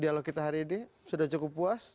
dialog kita hari ini sudah cukup puas